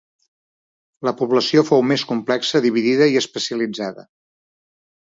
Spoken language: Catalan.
La població fou més complexa, dividida i especialitzada.